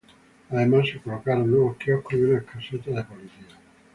Además, se colocaron nuevos quioscos, y unas casetas de policía.